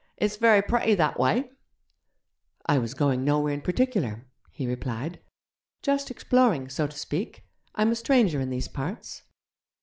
It's very pretty that wye.' 'I was going nowhere in particular,' he replied; 'just exploring, so to speak. I'm a stranger in these parts.'